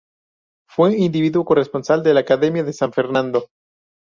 Fue individuo corresponsal de la Academia de San Fernando.